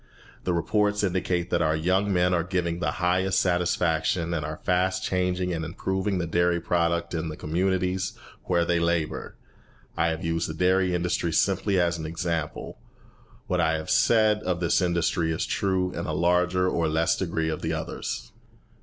The reports indicate that our young men are giving the highest satisfaction, and are fast changing and improving the dairy product in the communities where they labour. I have used the dairy industry simply as an example. What I have said of this industry is true in a larger or less degree of the others.